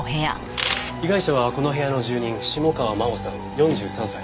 被害者はこの部屋の住人下川真帆さん４３歳。